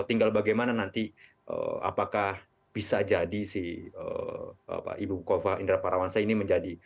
tinggal bagaimana nanti apakah bisa jadi si ibu kofah inderparawansa ini